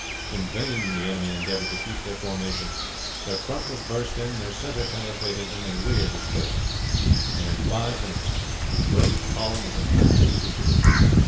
In vain the enemy endeavored to keep their formation; their front was burst in, their center penetrated, and their rear dispersed, and in five minutes the great column was a mass of fugitives.